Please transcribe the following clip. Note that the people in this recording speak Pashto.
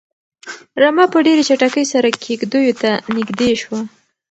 رمه په ډېرې چټکۍ سره کيږديو ته نږدې شوه.